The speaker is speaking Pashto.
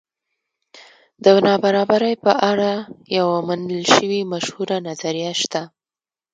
د نابرابرۍ په اړه یوه منل شوې مشهوره نظریه شته.